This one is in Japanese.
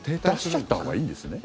出しちゃったほうがいいんですね？